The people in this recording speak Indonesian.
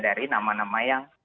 dari nama nama yang